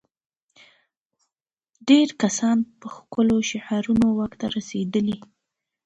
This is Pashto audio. ډېری کسان په ښکلو شعارونو واک ته رسېدلي دي.